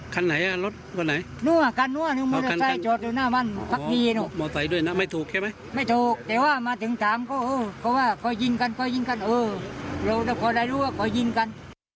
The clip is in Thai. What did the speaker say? ขนไหนละรถควรไหน